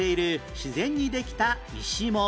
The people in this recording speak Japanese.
自然にできた石門